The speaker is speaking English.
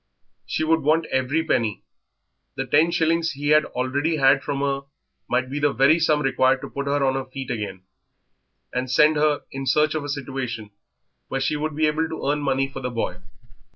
She would want every penny; the ten shillings he had already had from her might be the very sum required to put her on her feet again, and send her in search of a situation where she would be able to earn money for the boy.